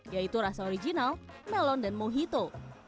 yaitu rasa original melon dan mojito